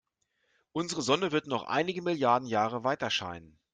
Unsere Sonne wird noch einige Milliarden Jahre weiterscheinen.